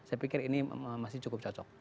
saya pikir ini masih cukup cocok